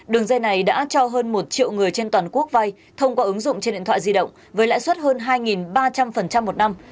đường dây này đã cho hơn một triệu người trên toàn quốc vay thông qua ứng dụng trên điện thoại di động với lãi suất hơn hai ba trăm linh một năm